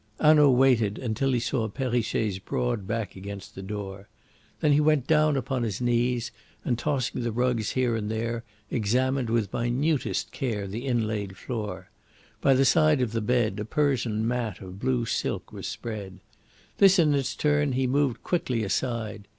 Hanaud waited until he saw Perrichet's broad back against the door. Then he went down upon his knees, and, tossing the rugs here and there, examined with the minutest care the inlaid floor. By the side of the bed a Persian mat of blue silk was spread. This in its turn he moved quickly aside.